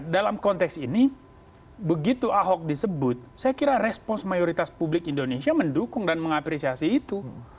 dalam konteks ini begitu ahok disebut saya kira respons mayoritas publik indonesia mendukung dan mengapresiasi itu